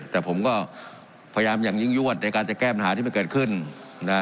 แต่ผมก็พยายามอย่างยิ่งยวดในการจะแก้ปัญหาที่มันเกิดขึ้นนะ